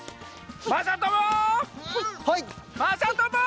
まさとも！